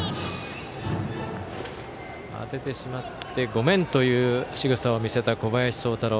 当ててしまって、ごめんというしぐさを見せた小林聡太朗。